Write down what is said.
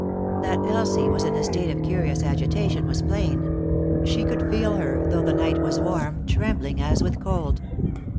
That Elsie was in a state of curious agitation was plain ; she could feel her, though the night was warm, trembling as with cold.